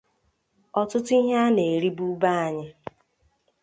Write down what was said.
Ọtụtụ ihe a na-eribụ be anyị